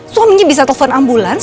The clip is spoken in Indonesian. suaminya bisa telfon ambulans